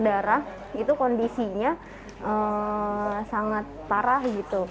darah itu kondisinya sangat parah gitu